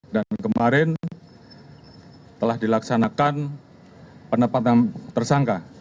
dan kemarin telah dilaksanakan penempatan tersangka